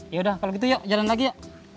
yaudah kalau gitu yuk jalan lagi ya